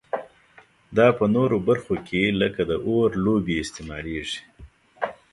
دا په نورو برخو کې لکه د اور لوبې استعمالیږي.